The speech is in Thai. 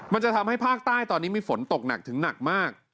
มันจะทำให้ภาคใต้ตอนนี้มีฝนตกหนักถึงหนักมาก